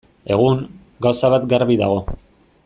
Egun, gauza bat garbi dago.